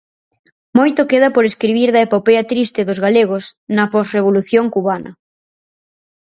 Moito queda por escribir da epopea triste dos galegos na posrevolución cubana.